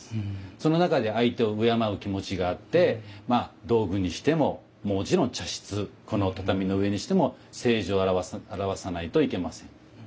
その中で相手を敬う気持ちがあって道具にしてももちろん茶室この畳の上にしても清浄を表さないといけません。